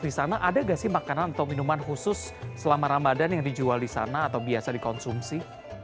di sana ada nggak sih makanan atau minuman khusus selama ramadan yang dijual di sana atau biasa dikonsumsi